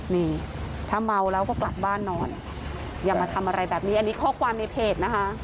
นี่ถ้าเมาแล้วก็กลับบ้านนอนอย่ามาทำอะไรแบบนี้อันนี้ข้อความในเพจนะคะ